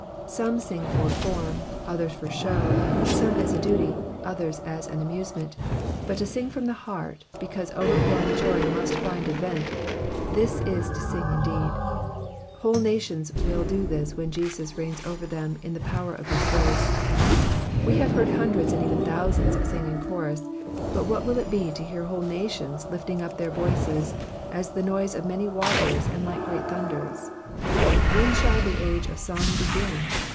• Some sing for form, others for show, some as a duty, others as an amusement, out to sing from the heart, because overflowing joy must find a vent, this is to sing indeed. Whole nations will do this when Jesus reigns over them in the power of his grace. We have heard hundreds and even thousands sing in chorus, but what will it be to hear whole nations lifting up their voices, as the noise of many waters and like great thunders. When shall the age of song begin